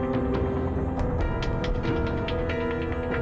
gini itu tuhq sepatu apel jaringan